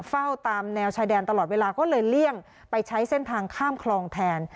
เฝ้าตามแนวชายแดนตลอดเวลาก็เลยเลี่ยงไปใช้เส้นทางข้ามคลองแทน